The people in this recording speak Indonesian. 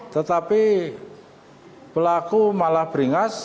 tetapi pelaku malah beringas